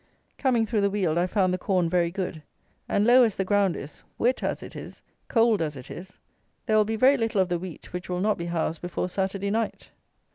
Coming through the Weald I found the corn very good; and, low as the ground is, wet as it is, cold as it is, there will be very little of the wheat which will not be housed before Saturday night.